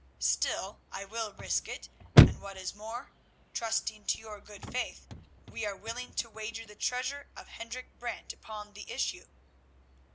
Still I will risk it, and, what is more, trusting to your good faith, we are willing to wager the treasure of Hendrik Brant upon the issue."